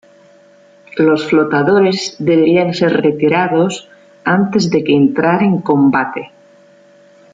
Los flotadores deberían ser retirados antes de que entrara en combate.